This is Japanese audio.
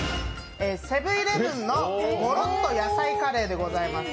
セブン−イレブンのごろっと野菜カレーでございます。